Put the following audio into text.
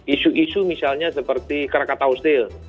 isu isu misalnya seperti kerakata usil